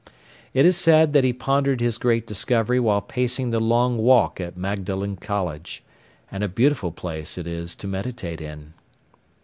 It is said that he pondered his great discovery while pacing the Long Walk at Magdalen College and a beautiful place it is to meditate in.